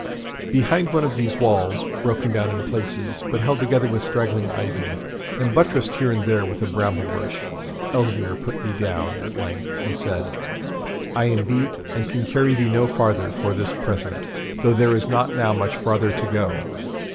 Behind one of these walls, broken down in places, but held together with straggling ivy, and buttressed here and there with a bramble bush, Elzevir put me down at length and said, 'I am beat, and can carry thee no farther for this present, though there is not now much farther to go.